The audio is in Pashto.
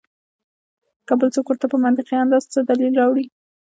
کۀ بل څوک ورته پۀ منطقي انداز څۀ دليل راوړي